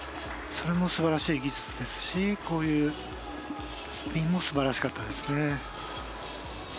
それもすばらしい技術ですしこういうスピンもすばらしかったですね。